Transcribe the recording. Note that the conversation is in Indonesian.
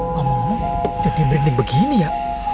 ngomong ngomong jadi merinding begini ya